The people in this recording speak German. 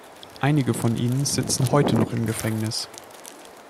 Einige von ihnen sitzen heute noch im Gefängnis.